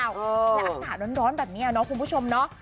อักษะร้อนแบบนี้เนอะคุณผู้ชมเนอะ